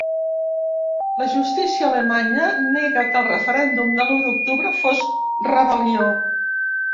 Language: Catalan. La justícia alemanya nega que el referèndum del u d'octubre fos rebel·lió.